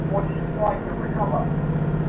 তোমরা কেউ কী জানো কোথায় আলোরা মাটি স্পর্শ করে?